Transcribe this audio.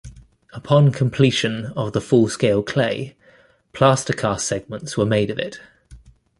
Upon completion of the full scale clay, plaster cast segments were made of it.